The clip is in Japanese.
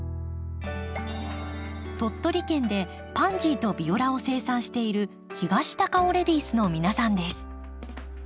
鳥取県でパンジーとビオラを生産している東高尾レディースの皆さんです。